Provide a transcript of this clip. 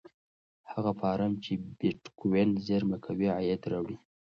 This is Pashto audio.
هغه فارم چې بېټکوین زېرمه کوي عاید راوړي.